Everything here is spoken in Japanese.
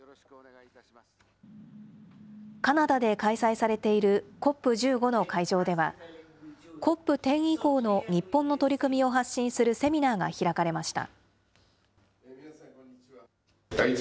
カナダで開催されているＣＯＰ１５の会場では、ＣＯＰ１０以降の日本の取り組みを発信するセミナーが開かれました。